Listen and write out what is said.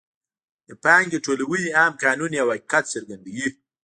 د پانګې ټولونې عام قانون یو حقیقت څرګندوي